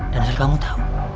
dan asal kamu tahu